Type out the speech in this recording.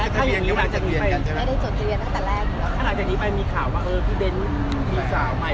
ถ้าอยู่อย่างนี้หลังจากเรียนกันใช่ไหม